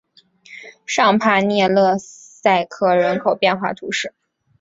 尚帕涅勒塞克人口变化图示